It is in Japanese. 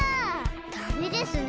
ダメですね。